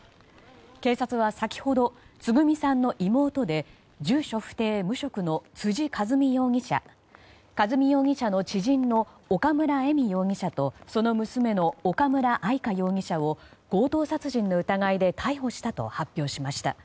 警察は先ほど、つぐみさんの妹で住所不定・無職の辻和美容疑者和美容疑者の知人の岡村恵美容疑者とその娘の岡村愛香容疑者を強盗殺人の疑いで逮捕したと発表しました。